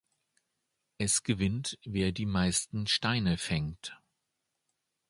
Es gewinnt, wer die meisten Steine fängt.